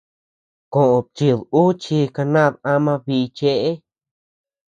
Koʼöd chíd ú chi kanad ama bíʼi cheʼe.